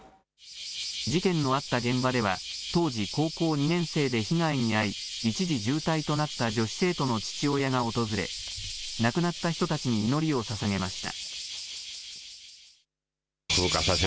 事件のあった現場では、当時、高校２年生で被害に遭い一時重体となった女子生徒の父親が訪れ、亡くなった人たちに祈りをささげました。